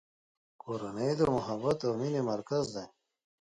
کورنۍ د محبت او مینې مرکز دی.